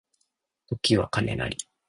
時は金なり